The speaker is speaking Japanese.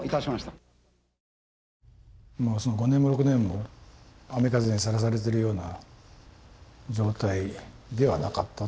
もう５年も６年も雨風にさらされてるような状態ではなかったと。